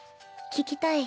聴きたい。